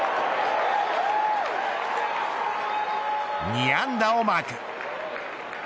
２安打をマーク。